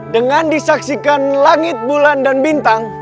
dan lama kelamaan aku ke kamu itu